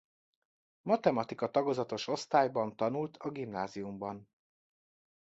Matematika tagozatos osztályban tanult a gimnáziumban.